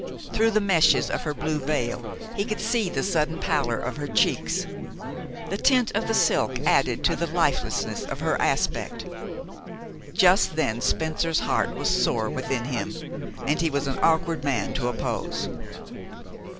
Through the meshes of her blue veil he could see the sudden pallor of her cheeks. The tint of the silk added to the lifelessness of her aspect. Just then Spencer's heart was sore within him, and he was an awkward man to oppose.